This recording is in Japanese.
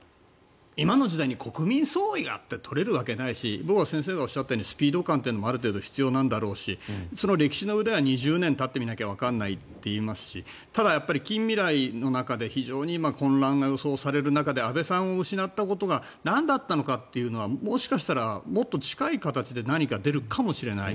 今の時代に国民総意がって取れるわけがないし僕は先生がおっしゃったようにスピード感というのもある程度必要なんだろうし歴史のうえでは２０年たってみなければわからないといいますしただやっぱり近未来の中で非常に混乱が予想される中で安倍さんを失ったことが何だったのかというのはもしかしたらもっと近い形で何か出るかもしれない。